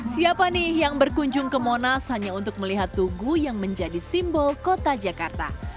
siapa nih yang berkunjung ke monas hanya untuk melihat tugu yang menjadi simbol kota jakarta